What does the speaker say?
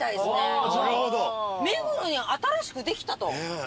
目黒に新しくできたと。